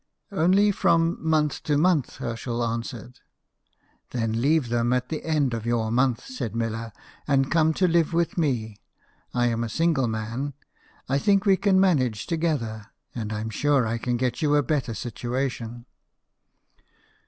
" Only from month to month," Herschel answered. " Then leave them at the end of your month," said Miller, " and come to live with me. I'm a single man ; I think we can manage together ; and I'm sure I can get you a better situation."